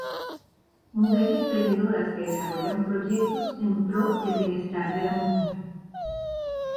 Mujeres emprendedoras que desarrollan proyectos en pro del bienestar de la mujer.